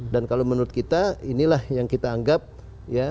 dan kalau menurut kita inilah yang kita anggap ya